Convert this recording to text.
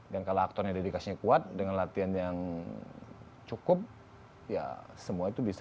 dan kalau aktornya dedikasinya kuat dengan latihan yang cukup ya semua itu bisa